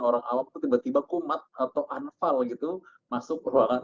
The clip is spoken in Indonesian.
orang awak itu tiba tiba kumat atau anfal gitu masuk ruangan